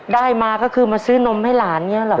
ได้มาก็คือมาซื้อนมให้หลานเนี้ยเหรอครับ